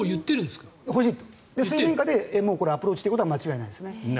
水面下でアプローチしていることは間違いないですね。